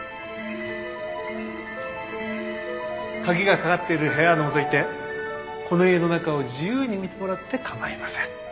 鍵がかかってる部屋を除いてこの家の中を自由に見てもらって構いません